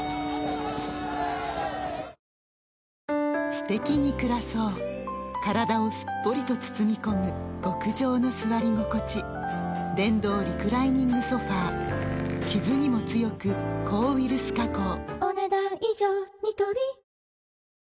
すてきに暮らそう体をすっぽりと包み込む極上の座り心地電動リクライニングソファ傷にも強く抗ウイルス加工お、ねだん以上。